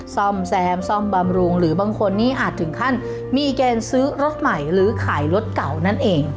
ซ่อมแซมซ่อมบำรุงหรือบางคนนี้อาจถึงขั้นมีเกณฑ์ซื้อรถใหม่หรือขายรถเก่านั่นเอง